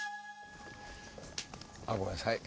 あっごめんなさい。